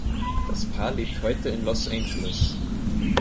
Das Paar lebt heute in Los Angeles.